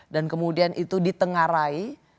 dan kemudian itu ditengarai